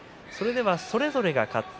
それぞれが勝った